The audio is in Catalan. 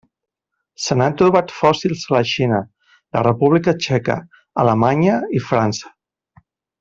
Se n'han trobat fòssils a la Xina, la República Txeca, Alemanya i França.